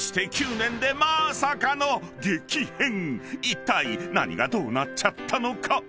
［いったい何がどうなっちゃったのか？］